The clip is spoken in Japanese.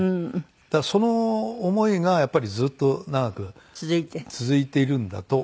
だからその思いがやっぱりずっと長く続いているんだと思います。